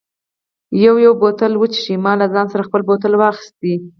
یو یو بوتل و څښه، ما له ځان سره خپل بوتل واخیست.